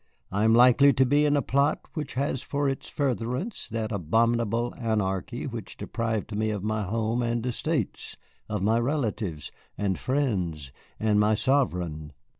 "I am likely to be in a plot which has for its furtherance that abominable anarchy which deprived me of my home and estates, of my relatives and friends and my sovereign."